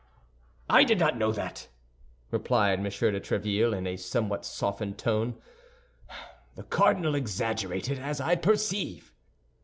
"I did not know that," replied M. de Tréville, in a somewhat softened tone. "The cardinal exaggerated, as I perceive."